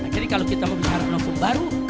jadi kalau kita mau bicara nukum baru